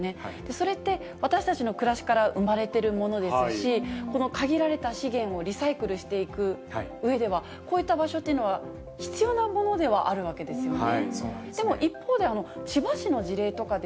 それって、私たちの暮らしから生まれてるものですし、この限られた資源をリサイクルしていくうえでは、こういった場所っていうのは必要なものではあるわけですよね。